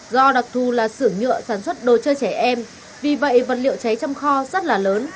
do đặc thù là xưởng nhựa sản xuất đồ chơi trẻ em vì vậy vật liệu cháy trong kho rất là lớn